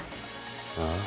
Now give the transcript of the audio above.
ああ。